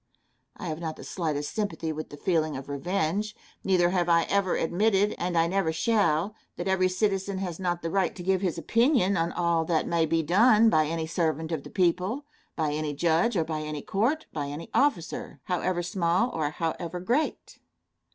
I have not the slightest sympathy with the feeling of revenge. Neither have I ever admitted, and I never shall, that every citizen has not the right to give his opinion on all that may be done by any servant of the people, by any judge, or by any court, by any officer however small or however great.